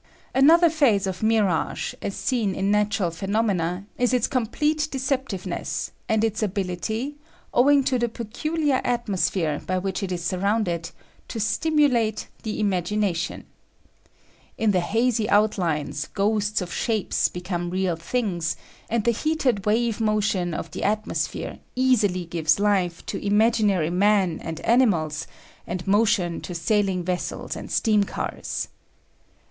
Another phase of mirage, as seen in natural phenomena, is its complete deceptiveness and its ability, owing to the peculiar atmosphere by which it is surrounded, to stimulate the imagination. In the hazy outlines ghosts of shapes become real things, and the heated wave motion of the atmosphere easily gives life to imaginary men and animals and motion to sailing vessels and steam cars.